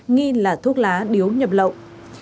nghi là thuốc lá điếu nhập lậu